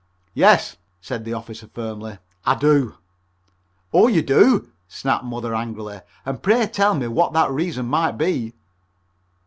"Yes," said the officer firmly, "I do." "Oh, you do," snapped Mother angrily, "and pray tell me what that reason might be?"